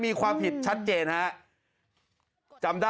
มีความผิดชัดเจนครับ